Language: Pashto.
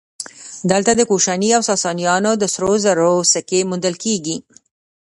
دلته د کوشاني ساسانیانو د سرو زرو سکې موندل کېږي